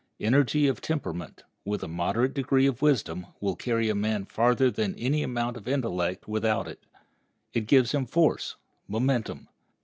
Energy of temperament, with a moderate degree of wisdom, will carry a man farther than any amount of intellect without it. It gives him force, momentum.